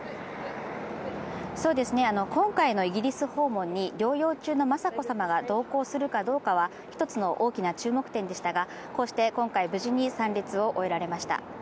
今回のイギリス訪問に、療養中の雅子さまが同行するかどうかは１つの大きな注目点でしたがこうして今回、無事に参列を終えられました。